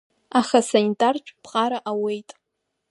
Аха асанитартә ԥҟара ауеит…